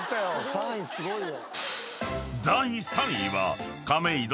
３位すごいよ。